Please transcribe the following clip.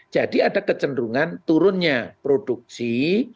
jadi ada kecenderungan turunnya produksi